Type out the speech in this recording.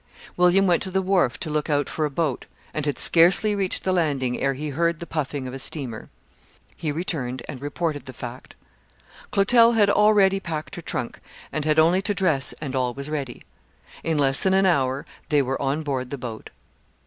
William went to the wharf to look out for a boat, and had scarcely reached the landing ere he heard the puffing of a steamer. He returned and reported the fact. Clotel had already packed her trunk, and had only to dress and all was ready. In less than an hour they were on board the boat.